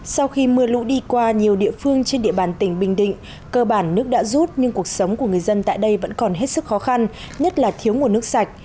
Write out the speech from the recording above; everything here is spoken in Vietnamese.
sau khi mưa lũ đi qua nhiều địa phương trên địa bàn tỉnh bình định cơ bản nước đã rút nhưng cuộc sống của người dân tại đây vẫn còn hết sức khó khăn nhất là thiếu nguồn nước sạch